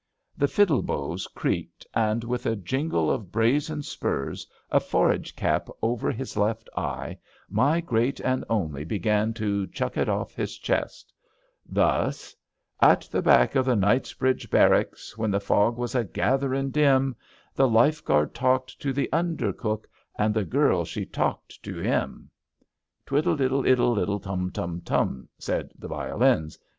The fiddle bows creaked, and, with a jingle of brazen spurs, a forage cap over his left eye, my Great and Only began to *^ chuck it oflf his chest/' Thus: ^^ At the back o' the E[nightsbridge Barricks, When the fog was a gatherin' dim, The Lifeguard talked to the Undercook, An' the girl she talked to 'im/' Tmddle'iddle4ddle4unhtum4uml " said the violins.